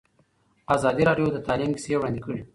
ازادي راډیو د تعلیم کیسې وړاندې کړي.